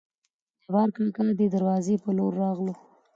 جبارکاکا دې دروازې په لور راغلو.